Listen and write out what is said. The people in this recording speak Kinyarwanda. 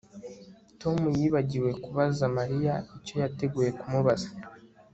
Tom yibagiwe kubaza Mariya icyo yateguye kumubaza